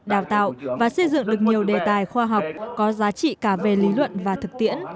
đào tạo và xây dựng được nhiều đề tài khoa học có giá trị cả về lý luận và thực tiễn